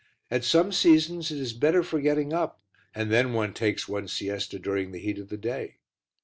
At some seasons it is better for getting up and then one takes one's siesta during the heat of the day.